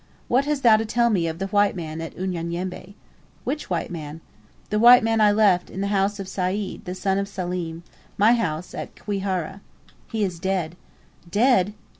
"What has thou to tell me of the white man at Unyanyembe?" "Which white man?" "The white man I left in the house of Sayd, the son of Salim my house at Kwihara." "He is dead." "Dead!"